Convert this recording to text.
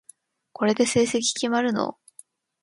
これで成績決まるの？